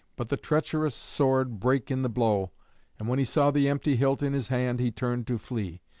But the treacherous sword brake in the blow. And when he saw the empty hilt in his hand he turned to flee.